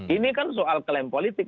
ini kan soal klaim politik